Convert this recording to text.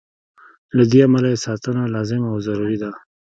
له دې امله یې ساتنه لازمه او ضروري ده.